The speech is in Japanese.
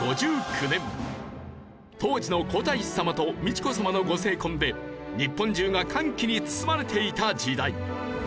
当時の皇太子さまと美智子さまのご成婚で日本中が歓喜に包まれていた時代。